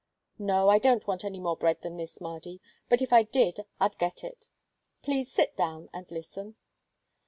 No, I don't want any more bread than this, Mardy, but if I did I'd get it please sit down and listen."